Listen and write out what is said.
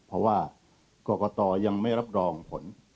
เพราะว่ากรกตยังไม่รับรองผล